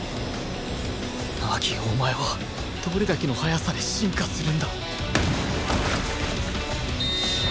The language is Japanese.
凪お前はどれだけの速さで進化するんだ